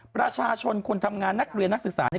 ประชาชนคนทำงานนักเรียนนักศึกษาเนี่ย